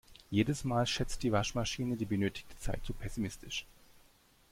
Jedes Mal schätzt die Waschmaschine die benötigte Zeit zu pessimistisch.